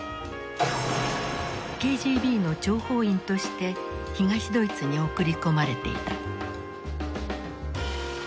ＫＧＢの諜報員として東ドイツに送り込まれていた。